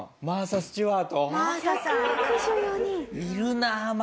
いるなあ。